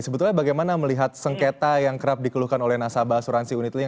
sebetulnya bagaimana melihat sengketa yang kerap dikeluhkan oleh nasabah asuransi unit lin